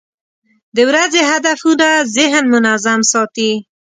د ورځې هدفونه ذهن منظم ساتي.